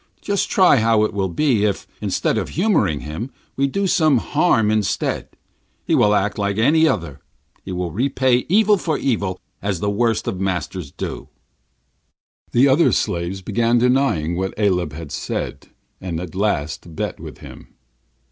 Just try how it will be if, instead of humouring him, we do him some harm instead. He will act like any one else, and will repay evil for evil, as the worst of masters do. The other slaves began denying what Aleb had said, and at last bet with him.